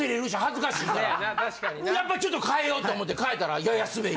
やっぱちょっと変えようと思って変えたらややスベリ。